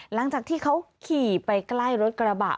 หลังจากที่เขาขี่ไปใกล้รถกระบะ